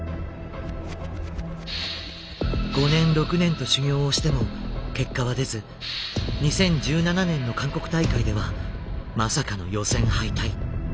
５年６年と修業をしても結果は出ず２０１７年の韓国大会ではまさかの予選敗退。